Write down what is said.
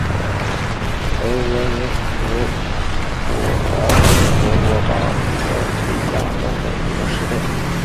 雷格尼茨洛绍是德国巴伐利亚州的一个市镇。